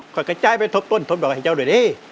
ครอบครัวจ่ายไปทบตุลฮยร่วงให้เจ้าดูด้อะไร